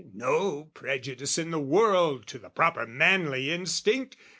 No prejudice in the world "To the proper manly instinct!